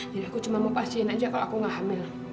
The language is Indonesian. jadi aku cuma mau pastiin aja kalau aku gak hamil